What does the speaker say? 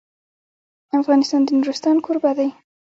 افغانستان د نورستان کوربه دی.